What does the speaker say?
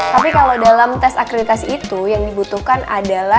tapi kalau dalam tes akreditasi itu yang dibutuhkan adalah